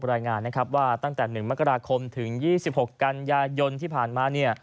รายงานนะครับว่าตั้งแต่๑มกราคมถึง๒๖กันยายนที่ผ่านมา